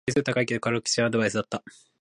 点数高いけど辛口なアドバイスだった